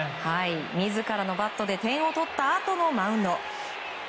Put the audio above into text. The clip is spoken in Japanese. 自らのバットで点を取ったあとのマウンド。